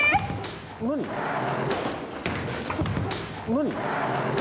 何？